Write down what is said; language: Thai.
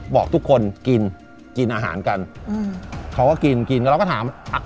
บอกทุกคนกินกินอาหารกันอืมเขาก็กินกินเราก็ถามอ่ะ